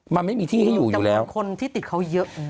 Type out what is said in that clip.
มันไม่มีที่ให้อยู่อยู่แล้วกับคนที่ติดเขาเยอะ